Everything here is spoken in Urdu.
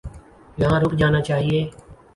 یہاں رک جانا چاہیے۔